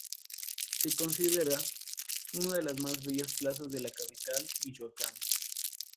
Está considerada una de las mas bellas plazas de la capital Michoacana.